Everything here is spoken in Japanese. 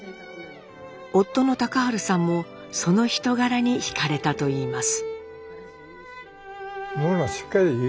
夫の隆治さんもその人柄にひかれたといいます。